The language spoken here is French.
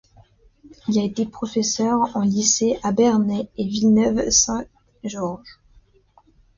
Il a été professeur en lycée à Bernay et Villeneuve-Saint-Georges.